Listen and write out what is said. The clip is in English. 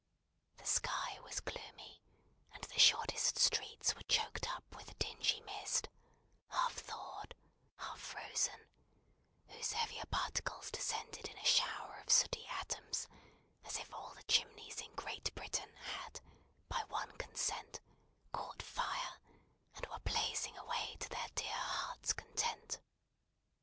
The sky was gloomy, and the shortest streets were choked up with a dingy mist, half thawed, half frozen, whose heavier particles descended in a shower of sooty atoms, as if all the chimneys in Great Britain had, by one consent, caught fire, and were blazing away to their dear hearts' content.